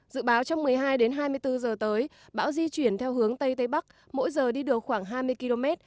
dự báo trong một mươi hai đến hai mươi bốn giờ tới bão di chuyển theo hướng tây tây bắc mỗi giờ đi được khoảng hai mươi km